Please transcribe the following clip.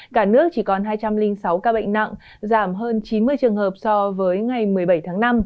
cả nước chỉ còn hai trăm linh sáu ca bệnh nặng giảm hơn chín mươi trường hợp so với ngày một mươi bảy tháng năm